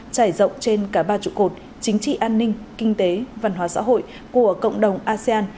trải rộng trên cả ba trụ cột chính trị an ninh kinh tế văn hóa xã hội của cộng đồng asean